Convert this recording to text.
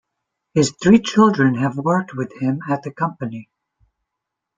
His three children have worked with him at the company.